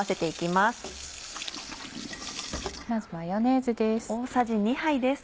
まずマヨネーズです。